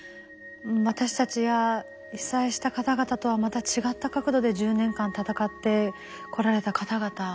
私たちや被災した方々とはまた違った角度で１０年間闘ってこられた方々。